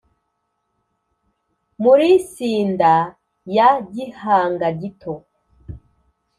muri cinder ya gihanga gito,